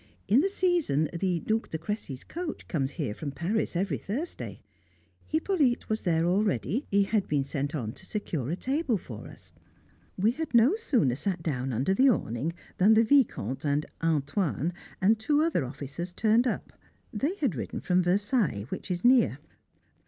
In the season the Duc de Cressy's coach comes here from Paris every Thursday. Hippolyte was there already; he had been sent on to secure a table for us. We had no sooner sat down under the awning than the Vicomte and "Antoine" and two other officers turned up. They had ridden from Versailles, which is near.